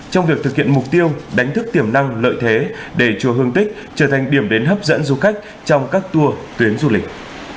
trong việc thực hiện mục tiêu đánh thức tiềm năng lợi thế để chùa hương tích trở thành điểm đến hấp dẫn du khách trong các tour tuyến du lịch